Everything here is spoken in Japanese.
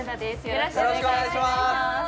よろしくお願いします